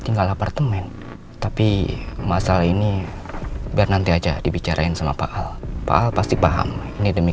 tinggal apartemen tapi masalah ini biar nanti aja dibicarain sama pak al pak al pasti paham ini demi